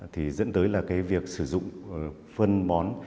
thì dẫn tới là cái việc sử dụng phân bón